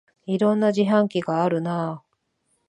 いろんな自販機があるなあ